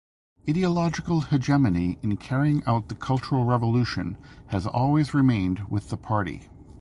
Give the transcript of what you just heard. Ideological hegemony in carrying out the cultural revolution has always remained with the party.